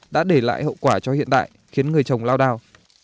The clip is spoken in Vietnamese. đã để lại hậu quả cho hiện tại khiến người trồng lao đao